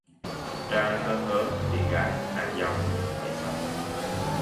Trai hơ hớ bị gái nạ dòng bẫy sập